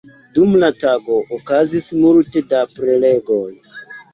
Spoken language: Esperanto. Dum la tago okazis multe da prelegoj.